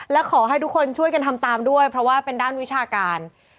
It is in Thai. และขอให้ทุกคนช่วยกันทำตามด้วยเพราะว่าเป็นด้านวิชาการ